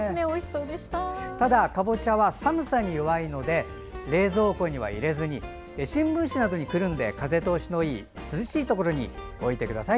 ただ、かぼちゃは寒さに弱いので冷蔵庫に入れずに新聞紙などにくるんで風通しのいい涼しい場所で置いてください。